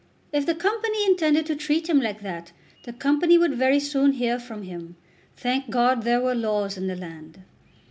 If the Company intended to treat him like that, the Company would very soon hear from him. Thank God there were laws in the land.